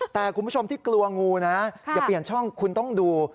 แต่คุณผู้ชมที่กลัวงูนะอย่าเปลี่ยนช่องคุณต้องดู